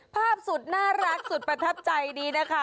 ภาพสุดน่ารักสุดประทับใจนี้นะคะ